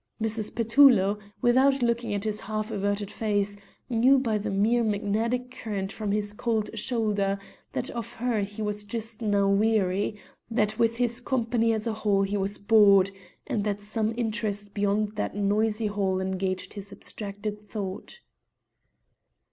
Mrs. Petullo, without looking at his half averted face, knew by the mere magnetic current from his cold shoulder that of her he was just now weary, that with his company as a whole he was bored, and that some interest beyond that noisy hall engaged his abstracted thought.